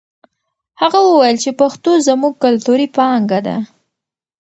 هغه وویل چې پښتو زموږ کلتوري پانګه ده.